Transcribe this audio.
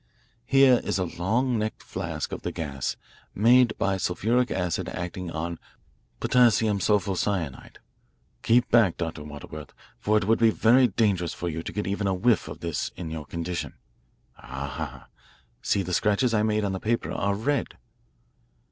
Here is a long necked flask of the gas, made by sulphuric acid acting on potassium sulphocyanide. Keep back, Dr. Waterworth, for it would be very dangerous for you to get even a whiff of this in your condition. Ah! See the scratches I made on the paper are red."